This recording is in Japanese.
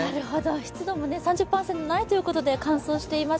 湿度も３０％ないということで乾燥しています。